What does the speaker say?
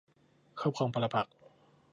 ครอบครองปรปักษ์